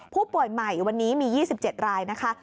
ผู้ป่วยใหม่วันนี้มี๒๗รายนะคะ